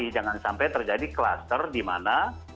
jangan sampai terjadi kluster di mana